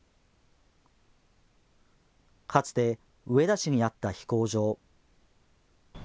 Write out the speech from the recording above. かつて上田市にあった飛行場。